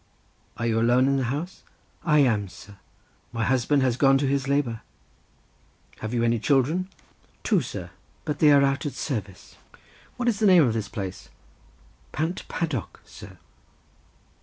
"Are you alone in the house?" "I am, sir, my husband has gone to his labour." "Have you any children?" "Two, sir; but they are out at service." "What is the name of this place?" "Pant Paddock, sir."